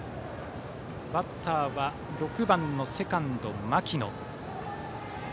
バッターは６番のセカンド、牧野。